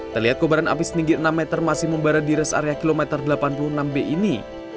terlihat kobaran api setinggi enam meter masih membara di res area kilometer delapan puluh enam b ini